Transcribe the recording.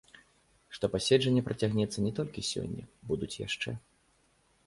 Што паседжанне працягнецца не толькі сёння, будуць яшчэ.